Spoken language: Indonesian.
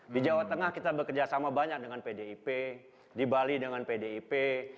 di jawa tengah kita bekerja sama banyak dengan pdip di bali dengan pdip